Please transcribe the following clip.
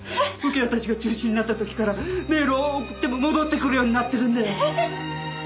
受け渡しが中止になった時からメールを送っても戻ってくるようになってるんだよ。